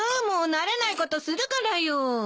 もう慣れないことするからよ。